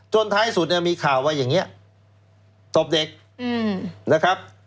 ท้ายสุดเนี่ยมีข่าวว่าอย่างนี้ศพเด็กนะครับ